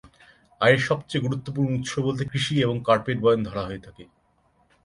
আয়ের সবচেয়ে গুরুত্বপূর্ণ উৎস বলতে কৃষি এবং কার্পেট বয়ন ধরা হয়ে থাকে।